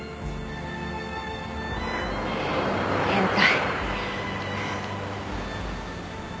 変態。